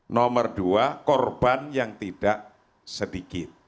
nomor dua korban yang tidak sedikit